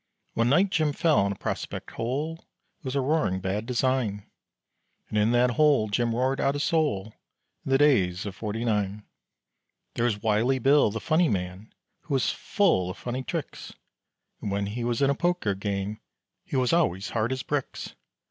One night Jim fell in a prospect hole, It was a roaring bad design, And in that hole Jim roared out his soul In the days of Forty Nine. There is Wylie Bill, the funny man, Who was full of funny tricks, And when he was in a poker game He was always hard as bricks.